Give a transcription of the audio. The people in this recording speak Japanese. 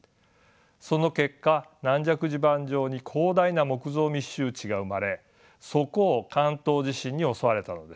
その結果軟弱地盤上に広大な木造密集地が生まれそこを関東地震に襲われたのです。